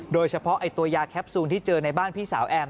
โดยเฉพาะตัวยาแคปซูลที่เจอในบ้านพี่สาวแอม